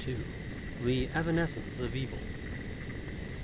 THE EVANESCENCE OF EVIL.